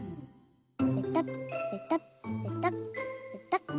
ペタッペタッペタッペタッ。